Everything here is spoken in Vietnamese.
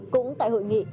cũng tại hội nghị